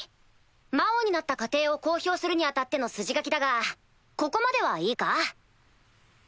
魔王になった過程を公表するに当たっての筋書きだがここまではいいか？